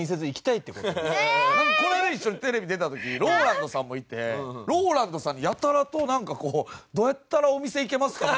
この間一緒にテレビ出た時ＲＯＬＡＮＤさんもいてＲＯＬＡＮＤさんにやたらとなんかこうどうやったらお店行けますか？